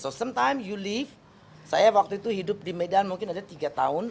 so sometimes you live saya waktu itu hidup di medan mungkin ada tiga tahun